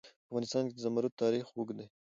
په افغانستان کې د زمرد تاریخ اوږد دی.